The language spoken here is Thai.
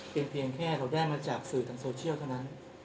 เป็นเพียงแค่เราได้มาจากสื่อทางโซเชียลเท่านั้น